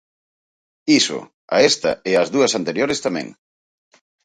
Iso, a esta e ás dúas anteriores tamén.